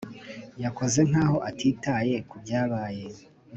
yakoze nkaho atitaye kubyabaye